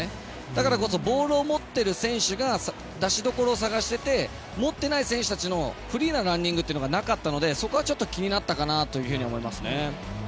だからこそボールを持っている選手が出しどころを探してて持っていない選手たちのフリーなランニングというのがなかったのでそこはちょっと気になったかなと思いますね。